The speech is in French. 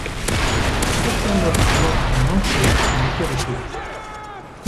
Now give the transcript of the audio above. Aucun os long en entier n'a été retrouvé.